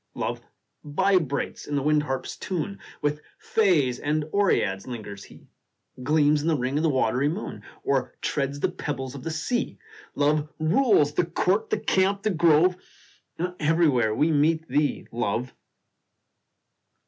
Love vibrates in the wind harp s tune With fays and oreads lingers he Gleams in th ring of the watery moon, Or treads the pebbles of the sea. Love rules " the court, the camp, the grove " Oh, everywhere we meet thee, Love